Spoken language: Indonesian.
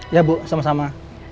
ya bu sama sama